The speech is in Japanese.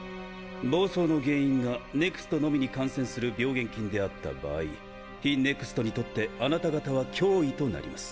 暴走の原因がＮＥＸＴのみに感染する病原菌であった場合非ＮＥＸＴにとってあなた方は脅威となります。